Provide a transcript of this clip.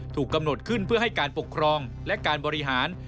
ถูกกำหนดขึ้นเพื่อให้การปกครองและการบริหาร